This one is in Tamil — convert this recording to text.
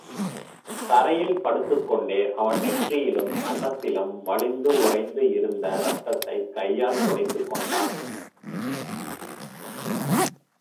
தரையில் படுத்துக்கொண்டே அவன் நெற்றியிலும் கன்னத்திலும் வழிந்து உறைந்து இருந்த ரத்தத்தைக் கையால் துடைத்துக்கொண்டான்.